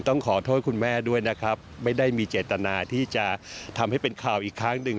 ต้องขอโทษคุณแม่ด้วยนะครับไม่ได้มีเจตนาที่จะทำให้เป็นข่าวอีกครั้งหนึ่ง